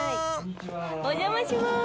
お邪魔します！